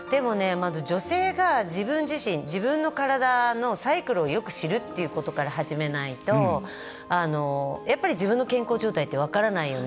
まず女性が自分自身自分の体のサイクルをよく知るっていうことから始めないとやっぱり自分の健康状態って分からないよね。